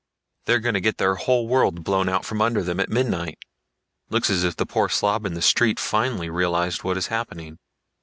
"They're gonna get their whole world blown out from under them at midnight. Looks as if the poor slob in the streets finally realized what is happening.